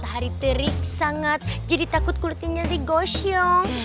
hari terik sangat jadi takut kulitnya nanti gosyong